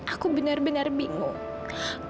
aku benar benar bingung